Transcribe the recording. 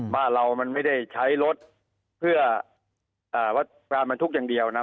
บ้านเรามันไม่ได้ใช้รถเพื่อวัดการบรรทุกอย่างเดียวนะ